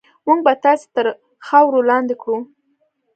موږ به تاسې تر خاورو لاندې کړو.